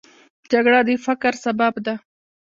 جګړه د فقر سبب ده